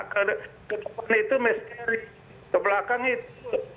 ke depan itu misteri ke belakang itu